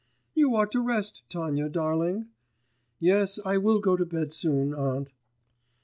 'You ought to rest, Tanya darling.' 'Yes, I will go to bed soon, aunt.